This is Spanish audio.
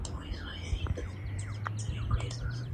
Su primera misión comienza en Perú.